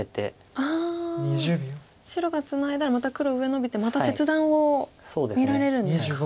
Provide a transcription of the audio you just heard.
あ白がツナいだらまた黒上ノビてまた切断を見られるんですか。